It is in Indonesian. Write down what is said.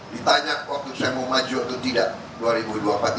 ditanya waktu saya mau maju atau tidak